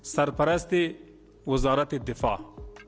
sarparasti wazaratil defah